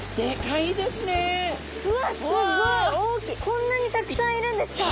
こんなにたくさんいるんですか？